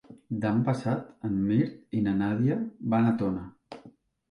Demà passat en Mirt i na Nàdia van a Tona.